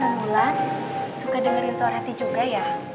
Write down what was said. sembulan suka dengerin suara hati juga ya